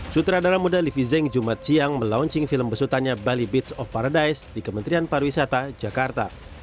sutradara muda livi zeng jumat siang melaunching film besutannya bali beats of paradise di kementerian pariwisata jakarta